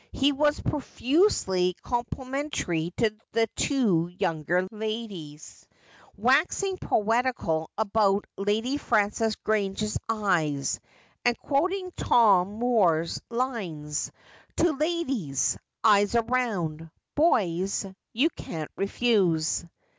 He was profusely complimen tary to the two younger ladies, waxing poetical about Lady Prances Grange's eyes, and quoting Tom Moore's lines, ' To ladies' eyes around, boys, you can't refuse.'